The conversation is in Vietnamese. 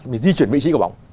bị di chuyển vị trí của bóng